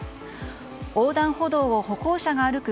横断歩道を歩行者が歩く